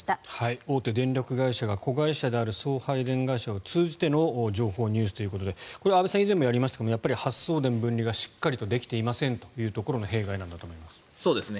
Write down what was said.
大手電力会社が子会社である送配電会社を通じての情報入手ということで以前もやりましたが発送電分離がしっかりできていないことの弊害なんだと思います。